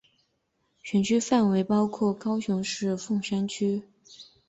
选区范围包括高雄市凤山区。